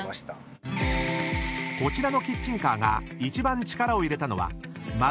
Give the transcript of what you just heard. ［こちらのキッチンカーが一番力を入れたのはまるで］